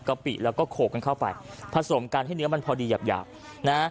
ปิแล้วก็โขกกันเข้าไปผสมกันให้เนื้อมันพอดีหยาบหยาบนะฮะ